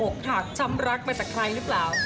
อกหักช้ำรักไปจากใครหรือเปล่า